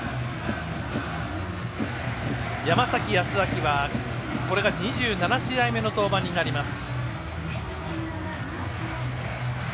山崎康晃は、これが２７試合目の登板になります。